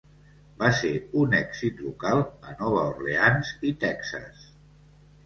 Va ser un èxit local a Nova Orleans i Texas.